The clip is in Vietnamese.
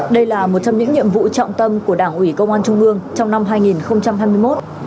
đây là một trong những nhiệm vụ trọng tâm của đảng ủy công an trung ương trong năm hai nghìn hai mươi một